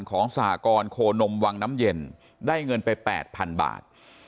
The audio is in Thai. สหกรโคนมวังน้ำเย็นได้เงินไป๘๐๐๐บาท